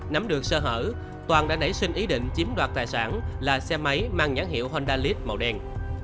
nắm được sơ hở toàn đã đẩy sinh ý định chiếm đoạt tài sản là xe máy mang nhãn hiệu honda lead màu đen